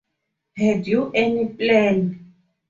Had you any plan?